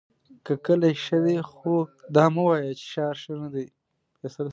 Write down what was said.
که کلی ښۀ دی خو دا مه وایه چې ښار ښۀ ندی!